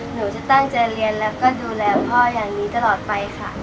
หนูจะตั้งใจเรียนแล้วก็ดูแลพ่ออย่างนี้ตลอดไปค่ะ